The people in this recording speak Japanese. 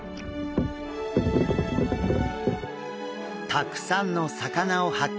たくさんの魚を発見！